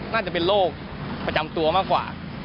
น่าจะเป็นโรคประจำตัวมากกว่า